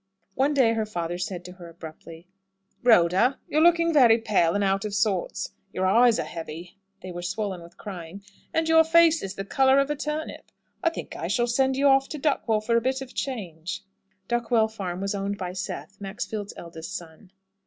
One day her father said to her abruptly, "Rhoda, you're looking very pale and out o' sorts. Your eyes are heavy" (they were swollen with crying), "and your face is the colour of a turnip. I think I shall send you off to Duckwell for a bit of a change." Duckwell Farm was owned by Seth, Maxfield's eldest son.